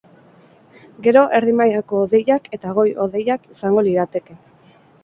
Gero, erdi mailako hodeiak eta goi-hodeiak izango lirateke.